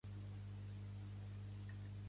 Què són els Anradhs i els Ollamhs?